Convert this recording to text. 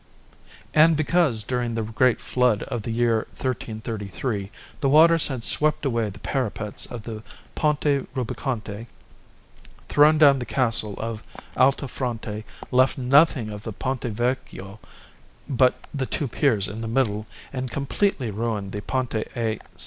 And because, during the great flood of the year 1333, the waters had swept away the parapets of the Ponte Rubaconte, thrown down the Castle of Altafronte, left nothing of the Ponte Vecchio but the two piers in the middle, and completely ruined the Ponte a S.